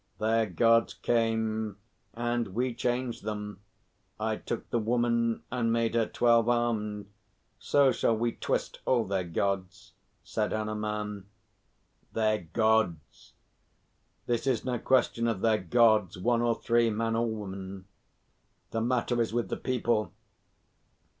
"Their Gods came, and we changed them. I took the Woman and made her twelve armed. So shall we twist all their Gods," said Hanuman. "Their Gods! This is no question of their Gods one or three man or woman. The matter is with the people.